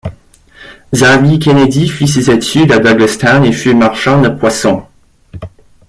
Xavier Kennedy fit ses études à Douglastown et fut marchand de poissons.